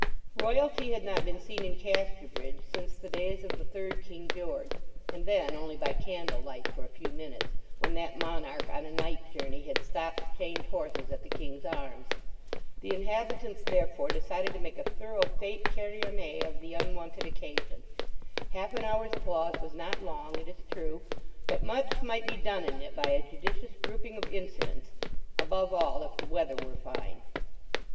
Royalty had not been seen in Casterbridge since the days of the third King George, and then only by candlelight for a few minutes, when that monarch, on a night journey, had stopped to change horses at the King's Arms. The inhabitants therefore decided to make a thorough fête carillonée of the unwonted occasion. Half an hour's pause was not long, it is true; but much might be done in it by a judicious grouping of incidents, above all, if the weather were fine.